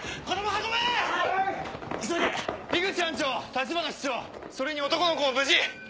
橘室長それに男の子も無事！